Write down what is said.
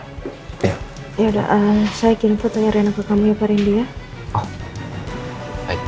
ya udah saya kirim foto area nama kamu ya pak rendy ya